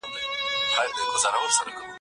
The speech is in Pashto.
د درد څپې مي پراوږو واخلي د ژوندله سینده